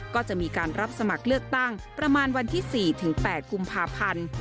ก็จะมีการรับสมัครเลือกตั้งประมาณวันที่๔๘กุมภาพันธ์